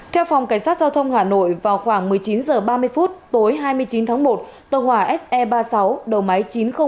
theo phòng cảnh sát giao thông hà nội vào khoảng một mươi chín h ba mươi phút tối hai mươi chín tháng một tàu hòa se ba mươi sáu đầu máy chín trăm linh